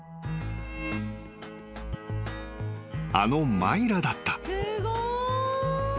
［あのマイラだった］